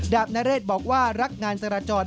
บนเรศบอกว่ารักงานจราจร